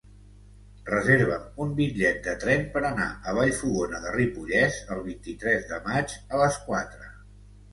Reserva'm un bitllet de tren per anar a Vallfogona de Ripollès el vint-i-tres de maig a les quatre.